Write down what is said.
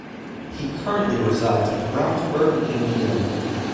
He currently resides in Brownsburg, Indiana.